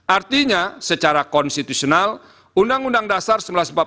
artinya secara konstitusional undang undang dasar seribu sembilan ratus empat puluh lima